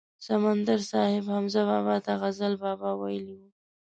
سمندر صاحب حمزه بابا ته غزل بابا ویلی و.